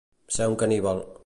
Ser un caníbal.